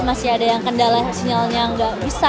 masih ada yang kendala sinyalnya nggak bisa